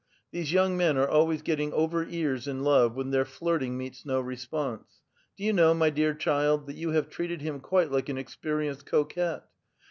These young men are always getting over ears in love when their flirting meets no response. Do you know, my dear child, that you have treated him quite like an ex perienced coquette.